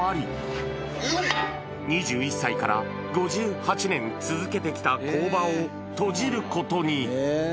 ２１歳から５８年続けてきた工場を閉じることに。